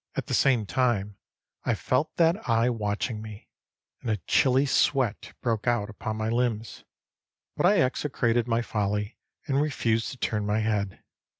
At the same time I felt that eye watching me, and a chilly sweat broke out upon my limbs; but I execrated my folly, and refused to turn my head.